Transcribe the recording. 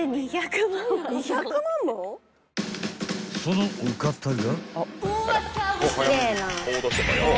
［そのお方が］